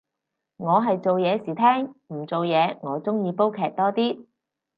我係做嘢時聽，唔做嘢我鍾意煲劇多啲